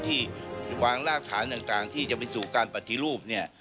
ที่วางรากฐานต่างที่จะไปสู่การปฏิรูปเนี่ย